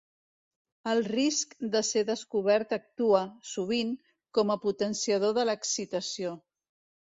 El risc de ser descobert actua, sovint, com a potenciador de l'excitació.